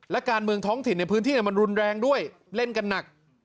และการเมืองท้องถิ่นในพื้นที่มันรุนแรงด้วยเล่นกันหนัก